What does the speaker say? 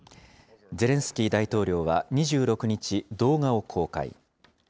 ゼレンスキー大統領は２６日、動画を公開。